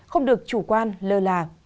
không được chủ quan lơ là